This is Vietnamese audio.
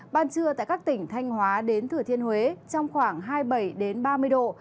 ban trưa tại các tỉnh thanh hóa đến thừa thiên huế trong khoảng hai mươi bảy ba mươi độ